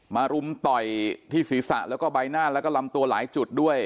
รุมต่อยที่ศีรษะแล้วก็ใบหน้าแล้วก็ลำตัวหลายจุดด้วย